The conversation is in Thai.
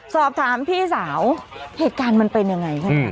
สอบถามพี่สาวเหตุการณ์มันเป็นยังไงคะ